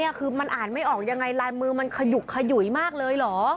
ยังไงลายมือมันขยุกขยุยมากเลยเหรอ